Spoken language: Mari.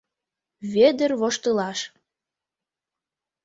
— Вӧдыр воштылаш.